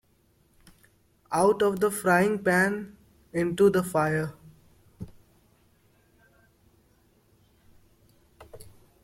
Out of the frying pan into the fire.